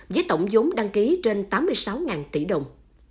với tổng giống đăng ký trên tám mươi sáu tỷ đồng